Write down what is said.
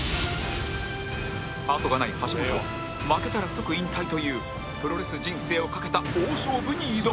後がない橋本は負けたら即引退というプロレス人生を懸けた大勝負に挑む